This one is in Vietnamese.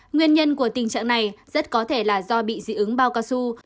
nguyên nhân của tình trạng này rất có thể là do bị dị ứng bao cao su